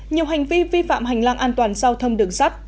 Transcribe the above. nhiều hành vi vi phạm hành lang an toàn giao thông đường sắt